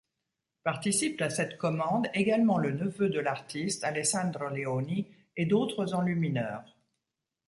Participent à cette commande également le neveu de l'artiste, Alessandro Leoni et d'autres enlumineurs.